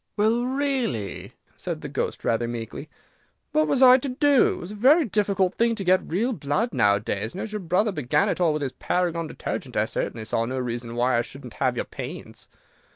"Well, really," said the Ghost, rather meekly, "what was I to do? It is a very difficult thing to get real blood nowadays, and, as your brother began it all with his Paragon Detergent, I certainly saw no reason why I should not have your paints.